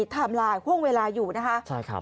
ไทม์ไลน์ห่วงเวลาอยู่นะคะ